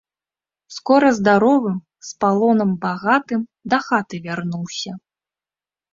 Скора здаровым з палонам багатым дахаты вярнуўся!